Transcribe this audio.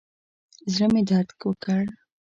زړه مې درد وکړ.